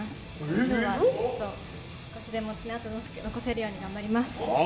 今日は少しでも爪痕残せるように頑張ります。